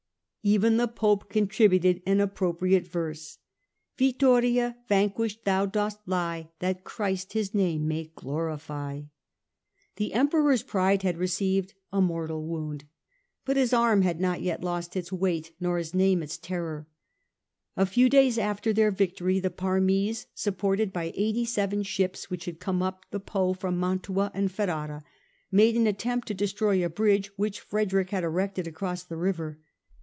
Even the Pope con tributed an appropriate verse :" Vittoria, vanquished thou dost lie, That Christ His name may glorify !" The Emperor's pride had received a mortal wound, but his arm had not yet lost its weight nor his name its terror. A few days after their victory, the Parmese, supported by eighty seven ships which had come up the Po from Mantua and Ferrara, made an attempt to destroy a bridge which Frederick had erected across the river.